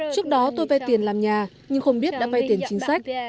trước đó tôi vay tiền làm nhà nhưng không biết đã vay tiền chính sách